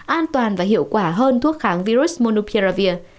an toàn và hiệu quả hơn thuốc kháng virus monopia